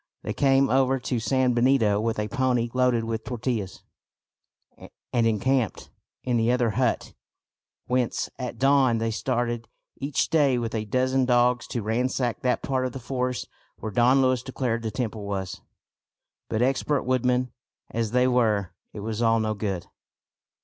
They came over to San Benito with a pony loaded with tortillas, and encamped in the other hut, whence at dawn they started each day with a dozen dogs to ransack that part of the forest where Don Luis declared the temple was. But, expert woodmen as they were, it was all no good.